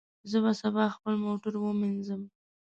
زه به سبا خپل موټر ومینځم.